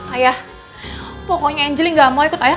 ayah pokoknya angelny nggak mau ikut ayah